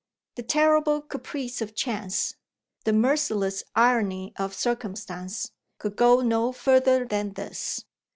The terrible caprice of Chance, the merciless irony of Circumstance, could go no further than this.